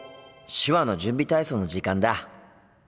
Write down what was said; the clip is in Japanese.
手話の準備体操の時間だ！